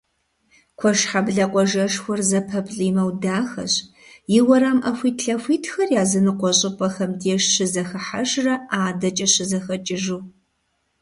Куэшхьэблэ къуажэшхуэр зэпэплIимэу дахэщ, и уэрам Iэхуитлъэхуитхэр языныкъуэ щIыпIэхэм деж щызэхыхьэжрэ адэкIэ щызэхэкIыжу.